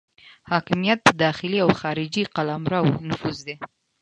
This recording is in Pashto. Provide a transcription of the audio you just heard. حاکمیت په داخلي او خارجي قلمرو نفوذ دی.